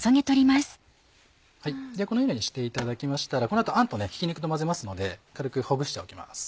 このようにしていただきましたらこの後あんとひき肉と混ぜますので軽くほぐしておきます。